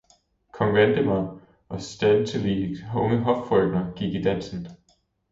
kong Valdemar og stadselige unge hoffrøkner gik i dansen.